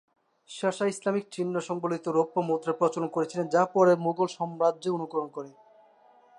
শের শাহ ইসলামি চিহ্ন সংবলিত রৌপ্য মুদ্রার প্রচলন করেছিলেন, যা পরে মুঘল সাম্রাজ্য অনুকরণ করে।